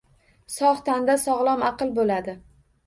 Sog‘ tanda sog‘lom aql bo‘ladi.